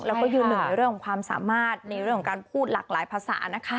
แล้วก็ยืนหนึ่งในเรื่องของความสามารถในเรื่องของการพูดหลากหลายภาษานะคะ